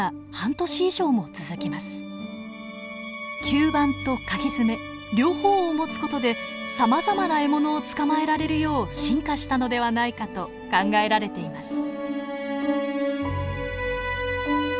吸盤とかぎ爪両方を持つ事でさまざまな獲物を捕まえられるよう進化したのではないかと考えられています。